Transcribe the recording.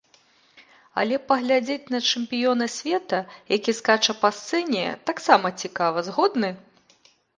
Але паглядзець на чэмпіёна свету, які скача па сцэне, таксама цікава, згодны.